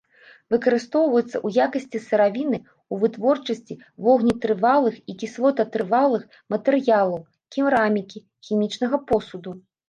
Выкарыстоўваецца ў якасці сыравіны ў вытворчасці вогнетрывалых і кіслотатрывалых матэрыялаў, керамікі, хімічнага посуду.